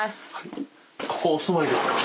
ここお住まいですか？